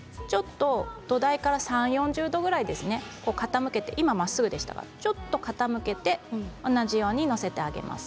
土台から３０度から４０度傾けて今のはまっすぐでしたがちょっと傾けて同じように載せてあげます。